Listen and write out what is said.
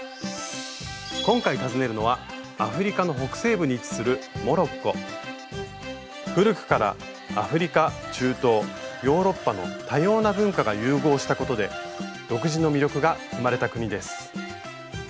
今回訪ねるのはアフリカの北西部に位置する古くからアフリカ中東ヨーロッパの多様な文化が融合したことで独自の魅力が生まれた国です。